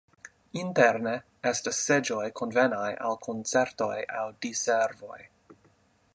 Interne estas seĝoj konvenaj al koncertoj aŭ diservoj.